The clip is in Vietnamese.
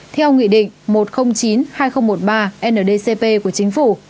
theo nghị định một trăm linh chín hai nghìn một mươi ba ndcp của chính phủ